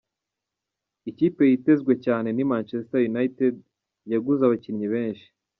Ikipe yitezwe cyane ni Manchester Utd yaguze abakinnyi benshi .